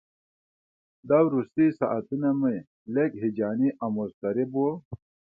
دا وروستي ساعتونه مې لږ هیجاني او مضطرب وو.